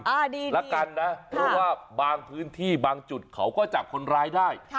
ดีแล้วกันนะเพราะว่าบางพื้นที่บางจุดเขาก็จับคนร้ายได้